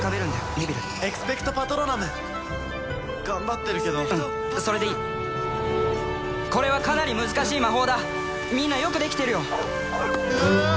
ネビルエクスペクト・パトローナム頑張ってるけどうんそれでいいこれはかなり難しい魔法だみんなよくできてるようわあっ！